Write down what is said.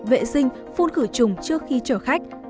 vệ sinh phun khử trùng trước khi chở khách